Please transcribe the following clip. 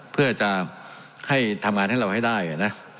เพื่อจะให้ทำงานให้เราให้ได้นะ